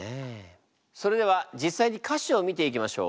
それでは実際に歌詞を見ていきましょう。